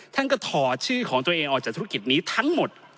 ท่านก็ถอดชื่อของตัวเองออกจากธุรกิจนี้ทั้งหมด